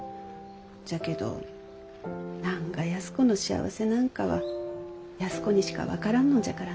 じゃけど何が安子の幸せなんかは安子にしか分からんのじゃからな。